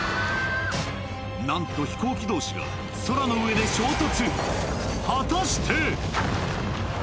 なんと飛行機同士が空の上で衝突